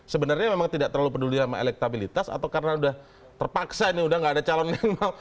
sebenarnya memang tidak terlalu peduli sama elektabilitas atau karena udah terpaksa ini udah gak ada calon yang mau